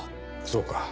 そうか。